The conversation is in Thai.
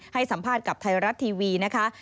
ให้สัมภาษณ์กับไทยรัฐทีวีนะคะ